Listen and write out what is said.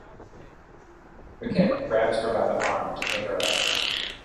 Riquet grabs her by the arm to pick her up.